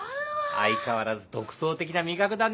相変わらず独創的な味覚だね